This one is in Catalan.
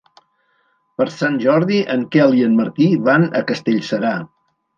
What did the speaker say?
Per Sant Jordi en Quel i en Martí van a Castellserà.